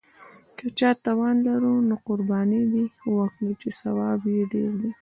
که چا توان لاره نو قرباني دې وکړي، چې ثواب یې ډېر دی.